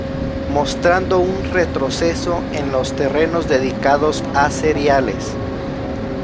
Mostrando un retroceso en los terrenos dedicados a cereales.